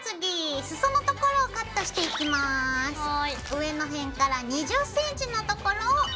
上の辺から２０ｃｍのところを取ります。